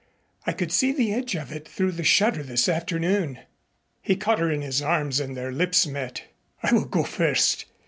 I could see the edge of it through the shutter this afternoon." He caught her in his arms and their lips met. "I will go first.